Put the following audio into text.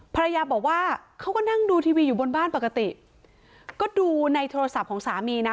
ภรรยาบอกว่าเขาก็นั่งดูทีวีอยู่บนบ้านปกติก็ดูในโทรศัพท์ของสามีนะ